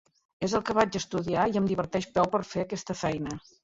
És el que vaig estudiar i em diverteix prou per a fer aquesta feina.